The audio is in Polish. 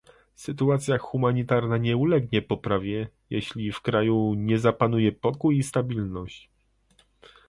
Sytuacja humanitarna nie ulegnie poprawie, jeśli w kraju nie zapanuje pokój i stabilność